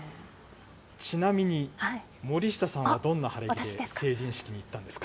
ちなみに、森下さんはどんな晴れ着で成人式に行ったんですか？